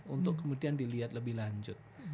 untuk kemudian dilihat lebih lanjut